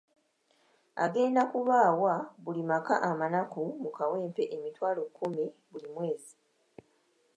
Agenda kuba awa buli maka amanaku mu Kawempe emitwalo kkumi buli mwezi.